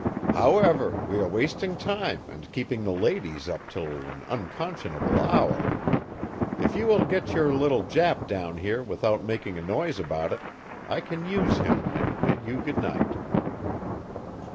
"However, we are wasting time and keeping the ladies up till an unconscionable hour. If you will get your little Jap down here without making a noise about it, I can use him and bid you good night."